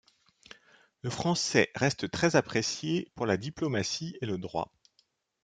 Le français reste très apprécié pour la diplomatie et le droit.